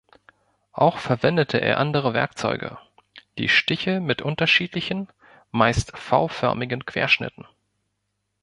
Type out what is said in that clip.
Auch verwendete er andere Werkzeuge, die Stichel mit unterschiedlichen, meist V-förmigen Querschnitten.